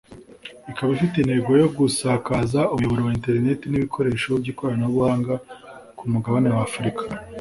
ikaba ifite intego yo gusakaza umuyoboro wa interineti n’ibikoresho by’ikoranabuhanga ku mugabane w’Afurika